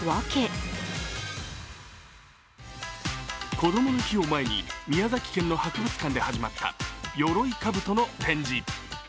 こどもの日を前に宮崎県の博物館で始まったよろいかぶとの展示。